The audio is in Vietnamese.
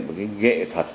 một cái nghệ thuật